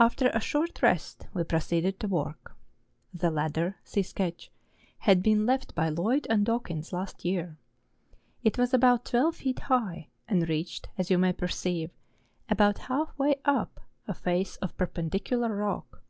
After a short rest we proceeded to work. The ladder (see sketch) had been left by Lloyd and Daw¬ kins last year. It was about twelve feet high, and reached, as you may perceive, about half way up a face of perpendicular rock.